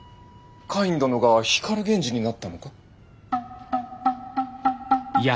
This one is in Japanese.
カイン殿が光源氏になったのか？